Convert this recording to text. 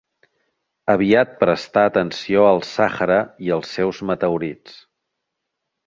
Aviat prestà atenció al Sàhara i els seus meteorits.